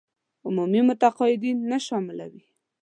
عمومي متقاعدين نه شاملوي.